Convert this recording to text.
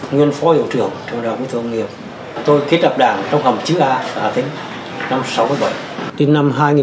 nguyên phó hiệu trưởng trường đại học mỹ thuật công nghiệp